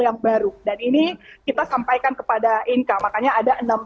yang baru dan ini kita sampaikan kepada inka makanya ada enam